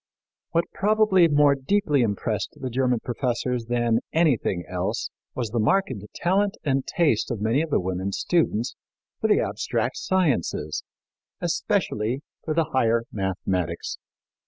What probably more deeply impressed the German professors than anything else was the marked talent and taste of many of the women students for the abstract sciences, especially for the higher mathematics.